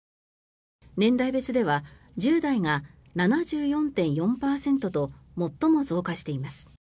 年代別では１０代が７４．４％と最も増加しています。